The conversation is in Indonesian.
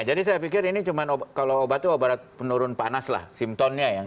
jadi saya pikir ini cuma kalau obat itu obat penurun panas lah simptomnya ya